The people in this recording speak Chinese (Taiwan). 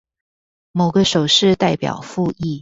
某個手勢代表覆議